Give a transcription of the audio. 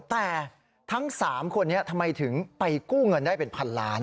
แต่ทั้ง๓คนนี้ทำไมถึงไปกู้เงินได้เป็นพันล้าน